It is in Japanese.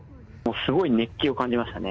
すごい熱気を感じましたね。